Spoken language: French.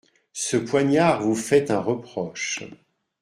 Ce poignard vous fait un reproche.